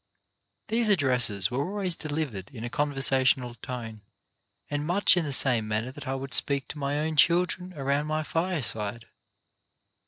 These addresses were always delivered in a conversational tone and much in the same manner that I would speak to my own children around my fireside.